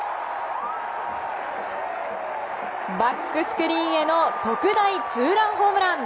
バックスクリーンへの特大ツーランホームラン。